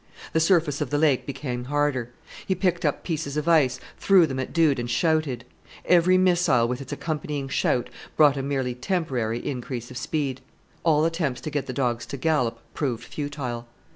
The surface of the lake became harder; he picked up pieces of ice, threw them at Dude, and shouted. Every missile, with its accompanying shout, brought a merely temporary increase of speed. All attempts to get the dogs to gallop proved futile.